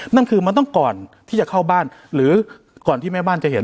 นั่นคือมันต้องก่อนที่จะเข้าบ้านหรือก่อนที่แม่บ้านจะเห็น